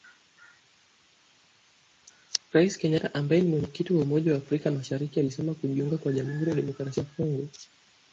Rais Kenyatta ambaye ni Mwenyekiti wa umoja wa afrika mashariki alisema kujiunga kwa Jamuhuri ya Demokrasia ya Kongo